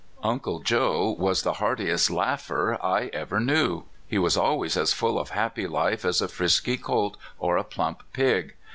Uncle Joe was the heartiest laugher I ever knew. He was always as full of happy life as a frisky colt or a plump pig.